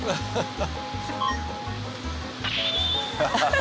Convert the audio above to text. ハハハハ。